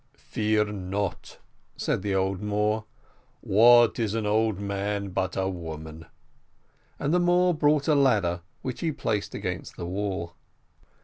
"Fear not," said the old Moor; "what is an old man but a woman?" and the Moor brought a ladder, which he placed against the wall.